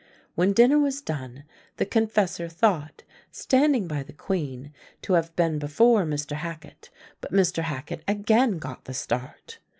When dinner was done, the confessor thought, standing by the queen, to have been before Mr. Hacket, but Mr. Hacket again got the start.